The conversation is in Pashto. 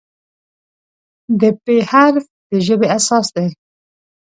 د "پ" حرف د ژبې اساس دی.